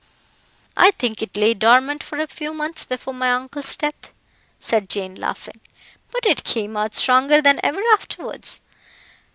"I think it lay dormant for a few months before my uncle's death," said Jane, laughing; "but it came out stronger than ever afterwards.